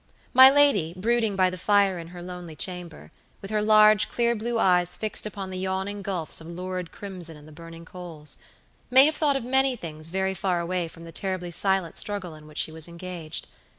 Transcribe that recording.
My lady, brooding by the fire in her lonely chamber, with her large, clear blue eyes fixed upon the yawning gulfs of lurid crimson in the burning coals, may have thought of many things very far away from the terribly silent struggle in which she was engaged.